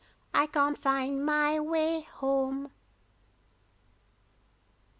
I can't find my way home."